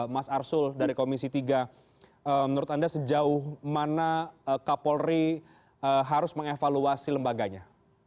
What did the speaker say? mas arsul dari komisi tiga menurut anda sejauh mana kapolri harus mengevaluasi lembaganya